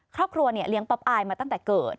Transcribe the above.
ครอบครัวเนี่ยเลี้ยงป๊อปอายมาตั้งแต่เกิด